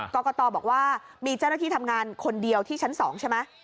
กรกตบอกว่ามีเจ้าหน้าที่ทำงานคนเดียวที่ชั้น๒ใช่ไหม